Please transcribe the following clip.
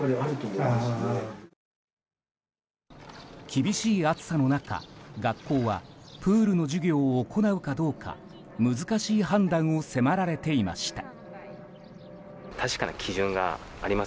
厳しい暑さの中、学校はプールの授業を行うかどうか難しい判断を迫られていました。